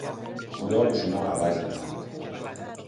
خدا بشما عوض بدهد